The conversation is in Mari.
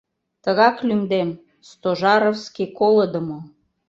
Тугак лӱмдем: «Стожаровский колыдымо».